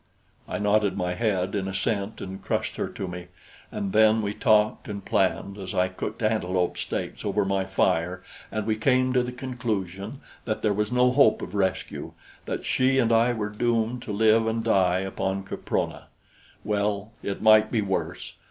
I nodded my head in assent and crushed her to me. And then we talked and planned as I cooked antelope steaks over my fire, and we came to the conclusion that there was no hope of rescue, that she and I were doomed to live and die upon Caprona. Well, it might be worse!